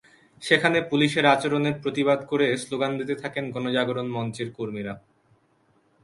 সেখানে পুলিশের আচরণের প্রতিবাদ করে স্লোগান দিতে থাকেন গণজাগরণ মঞ্চের কর্মীরা।